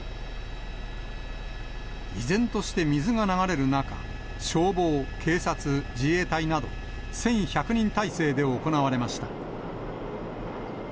依然として水が流れる中、消防、警察、自衛隊など、１１００人態勢で行われました。